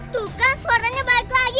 tuh kan suaranya baik lagi